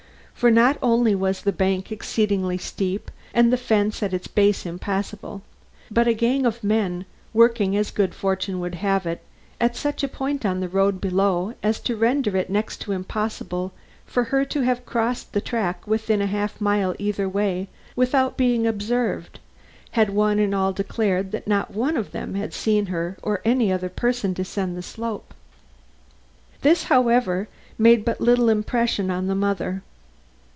For not only was the bank exceedingly steep and the fence at its base impassable, but a gang of men, working as good fortune would have it, at such a point on the road below as to render it next to impossible for her to have crossed the track within a half mile either way without being observed, had one and all declared that not one of them had seen her or any other person descend the slope. This, however, made but little impression on the mother.